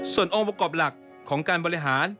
ส่วนองค์ประกอบหลักของการบริหาร